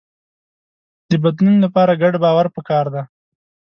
د بدلون لپاره ګډ باور پکار دی.